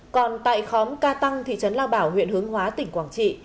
còn tại khóm ca tăng thị trấn lao bảo huyện hướng hóa tỉnh quảng trị